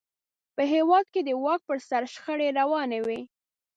په هېواد کې د واک پر سر شخړې روانې وې.